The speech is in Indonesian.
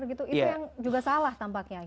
itu yang juga salah tampaknya